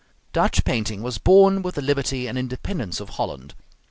Dutch painting was born with the liberty and independence of Holland.